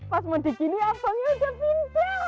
pas mau digini abangnya udah pindah